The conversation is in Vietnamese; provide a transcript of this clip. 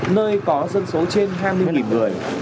nơi có dân số trên hai mươi người